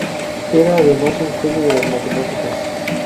Era, además, un genio de las matemáticas.